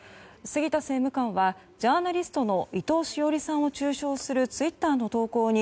杉田政務官はジャーナリストの伊藤詩織さんを中傷するツイッターの投稿に